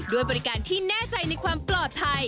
ด้วยบริการที่แน่ใจในความปลอดภัย